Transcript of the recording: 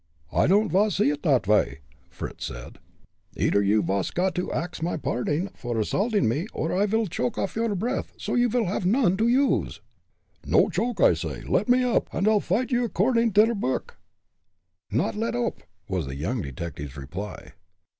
"I don'd vas see id dot vay," Fritz said. "Eider you vas got to ax my parding for assaulting me, or I vil choke off your breathe so you vil haff none to use." "No choke, I say! Let me up, an' I'll fight ye accordin' ter book." "Not a let oop!" was the young detective's reply.